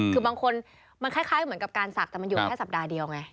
คือบางคนมันคล้ายเหมือนกับการศักดิ์แต่มันอยู่แค่สัปดาห์เดียวไง